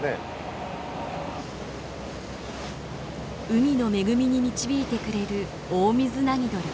海の恵みに導いてくれるオオミズナギドリ。